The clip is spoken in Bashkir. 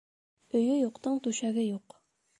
Өйө юҡтың түшәге юҡ.